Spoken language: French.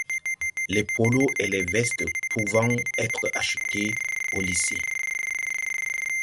Les polos et les vestes pouvant être achetés au lycée.